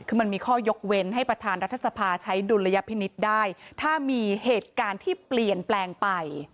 คือมันมีข้อยกเว้นให้ประธานรัฐสภาใช้ดุลยพินิษฐ์ได้ถ้ามีเหตุการณ์ที่เปลี่ยนแปลงไป